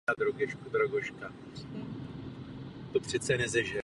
Prý měla kouzelné léčivé síly.